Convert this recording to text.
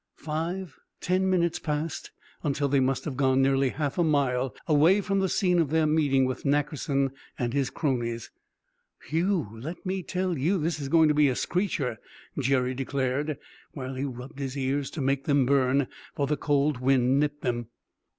Five, ten minutes passed, until they must have gone nearly half a mile away from the scene of their meeting with Nackerson and his cronies. "Whew! Let me tell you this is going to be a screecher!" Jerry declared, while he rubbed his ears to make them burn, for the cold wind nipped them.